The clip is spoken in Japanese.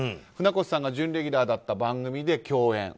船越さんが準レギュラーだった番組で共演。